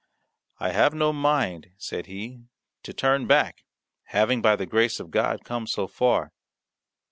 "I have no mind," said he, "to turn back, having, by the grace of God, come so far.